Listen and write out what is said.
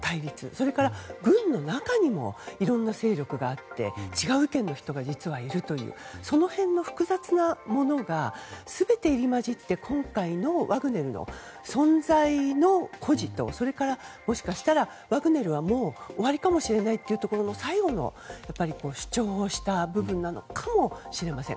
それから、軍の中にもいろんな勢力があって違う意見の人が実はいるというその辺の複雑なものが全て入り混じって今回のワグネルの存在の固持とそれからもしかしたらワグネルはもう終わりかもしれないというところの最後の主張をした部分なのかもしれません。